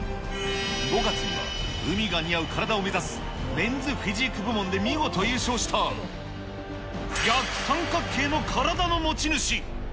５月には海が似合う体を目指すメンズフィジーク部門で見事優勝した、逆三角形の体の持ち主。